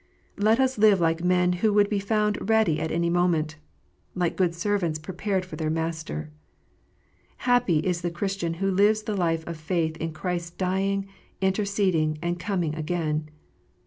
Let us live like men who would be found ready at any moment, like good servants prepared for their master. Happy is the Christian who lives the life of faith in Christ s dying, interceding, and coming again